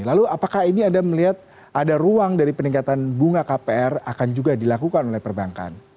lalu apakah ini anda melihat ada ruang dari peningkatan bunga kpr akan juga dilakukan oleh perbankan